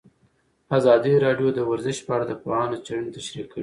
ازادي راډیو د ورزش په اړه د پوهانو څېړنې تشریح کړې.